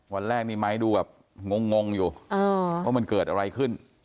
วันแรกนี่ไม้ดูแบบงงอยู่ว่ามันเกิดอะไรขึ้น